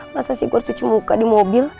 masa sih gue harus cuci muka di mobil